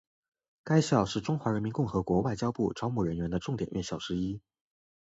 该校是中华人民共和国外交部招募人员的重点院校之一。